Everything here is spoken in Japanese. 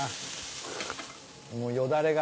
もうよだれが。